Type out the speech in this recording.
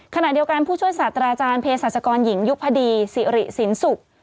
ขณะเดียวกันผู้ช่วยศาสตราจารย์เพศศาสกรหญิงยุพดีสิริสินศุกร์